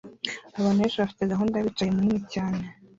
Abantu bafite gahunda bicaye munini cyane